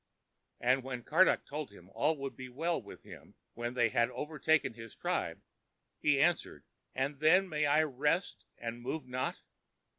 And when Karduk told him all would he well with him when they had overtaken his tribe, he asked, "And then may I rest and move not?"